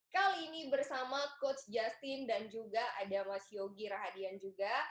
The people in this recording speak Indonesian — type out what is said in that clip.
kali ini bersama coach justin dan juga ada mas yogi rahadian juga